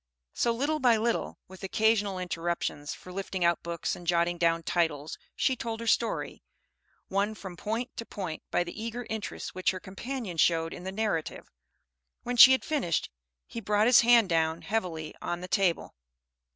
So, little by little, with occasional interruptions for lifting out books and jotting down titles, she told her story, won from point to point by the eager interest which her companion showed in the narrative. When she had finished, he brought his hand down heavily on the table.